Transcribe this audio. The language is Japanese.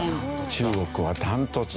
中国はダントツ。